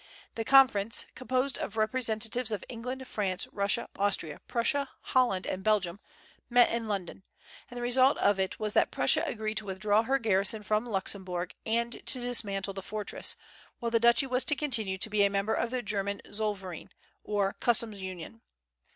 The conference composed of representatives of England, France, Russia, Austria, Prussia, Holland, and Belgium met in London; and the result of it was that Prussia agreed to withdraw her garrison from Luxemburg and to dismantle the fortress, while the duchy was to continue to be a member of the German Zollverein, or Customs Union.